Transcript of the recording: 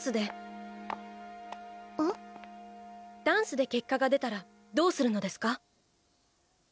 ダンスで結果が出たらどうするのですか？